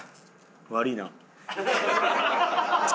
悪いな。